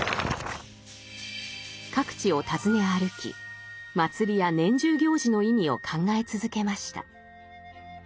各地を訪ね歩き祭りや年中行事の意味を考え続けました。